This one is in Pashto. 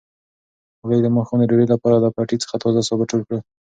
ګلالۍ د ماښام د ډوډۍ لپاره له پټي څخه تازه سابه ټول کړل.